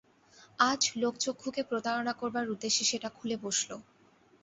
আজ লোকচক্ষুকে প্রতারণা করবার উদ্দেশ্যে সেটা খুলে বসল।